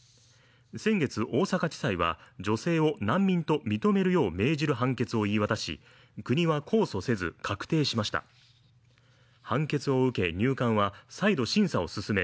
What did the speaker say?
先月大阪地裁は、女性を難民と認めるよう命じる判決を言い渡し、国は控訴せず確定しました判決を受け入管は再度審査を進め